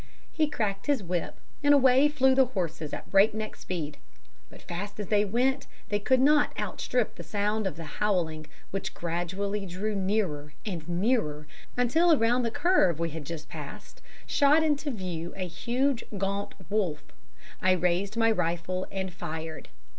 He cracked his whip, and away flew the horses at a breakneck speed. But fast as they went, they could not outstrip the sound of the howling, which gradually drew nearer and nearer, until around the curve we had just passed shot into view a huge gaunt wolf. I raised my rifle and fired.